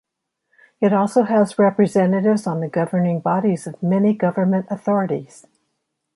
It also has representatives on the governing bodies of many government authorities.